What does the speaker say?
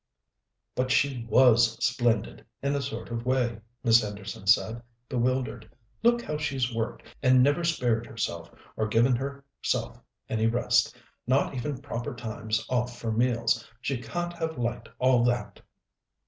"But she was splendid, in a sort of way," Miss Henderson said, bewildered. "Look how she's worked, and never spared herself, or given herself any rest, not even proper times off for meals. She can't have liked all that."